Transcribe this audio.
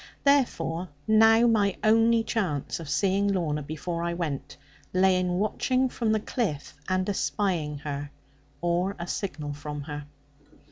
Therefore now my only chance of seeing Lorna, before I went, lay in watching from the cliff and espying her, or a signal from her.